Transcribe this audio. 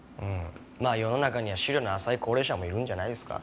世の中には思慮の浅い高齢者もいるんじゃないですか？